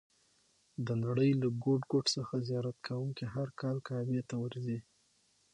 د نړۍ له ګوټ ګوټ څخه زیارت کوونکي هر کال کعبې ته ورځي.